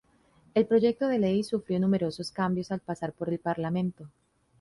El Proyecto de Ley sufrió numerosos cambios al pasar por el parlamento.